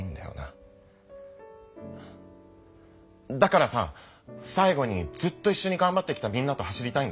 だからさ最後にずっといっしょにがんばってきたみんなと走りたいんだ！